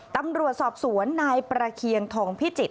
ตำรวจสอบสวนนายประเคียงทองพิจิตร